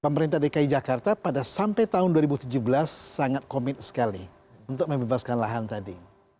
pemerintah dki jakarta pada sampai tahun dua ribu tujuh belas sangat komit sekali untuk membebaskan lahan tadi